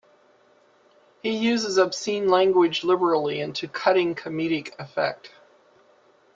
He uses obscene language liberally and to cutting comedic effect.